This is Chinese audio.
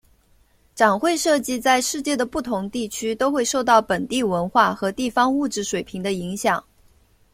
展会设计在世界的不同地区都会受到本地文化和地方物质水平的影响。